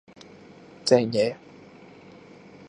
正野